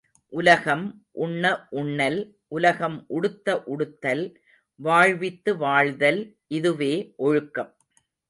உலகம் உண்ண உண்ணல், உலகம் உடுத்த உடுத்தல், வாழ்வித்து வாழ்தல் இதுவே ஒழுக்கம்.